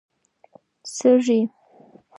سږی